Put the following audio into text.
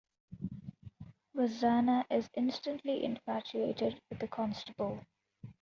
Lwaxana is instantly infatuated with the Constable.